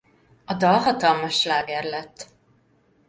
A dal hatalmas sláger lett.